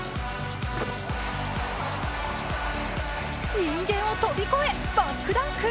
人間を跳び越え、バックダンク。